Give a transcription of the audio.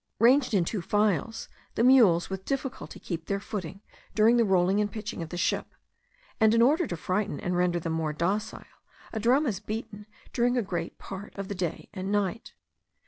Ranged in two files, the mules with difficulty keep their footing during the rolling and pitching of the ship; and in order to frighten and render them more docile, a drum is beaten during a great part of the day and night.